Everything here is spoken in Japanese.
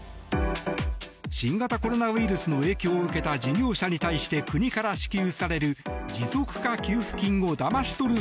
新型コロナウイルスの影響を受けた事業者に対して国から支給される持続化給付金をだまし取る